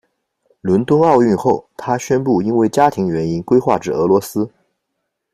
伦敦奥运后，他宣布因为家庭原因归化至俄罗斯。